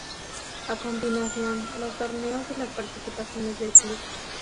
A continuación los torneos y las participaciones del club.